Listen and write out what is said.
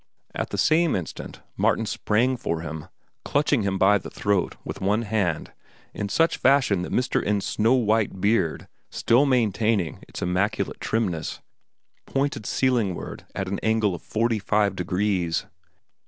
At the same instant Martin sprang for him, clutching him by the throat with one hand in such fashion that Mr. Ends' snow white beard, still maintaining its immaculate trimness, pointed ceilingward at an angle of forty five degrees.